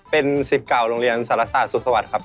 เป็น๑๙โรงเรียนสารศาสตร์สุธวัฏครับ